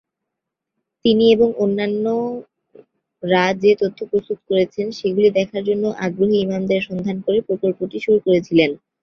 তিনি এবং অন্যরা যে তথ্য প্রস্তুত করেছেন সেগুলি দেখার জন্য আগ্রহী ইমামদের সন্ধান করে প্রকল্পটি শুরু করেছিলেন।